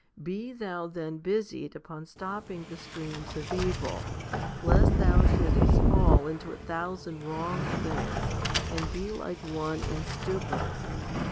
Be thou then busied upon stopping the streams of evil, lest thou shouldest fall into a thousand wrong things and be like one in stupor.